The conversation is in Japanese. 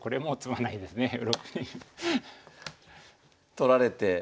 取られて。